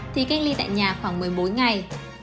thì cách ly tại nhà khoảng một mươi bốn ngày